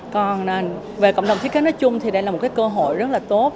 còn về cộng đồng thiết kế nói chung thì đây là một cái cơ hội rất là tốt